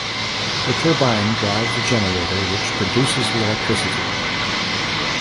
The turbine drives a generator which produces the electricity.